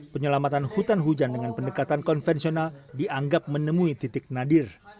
penyelamatan hutan hujan dengan pendekatan konvensional dianggap menemui titik nadir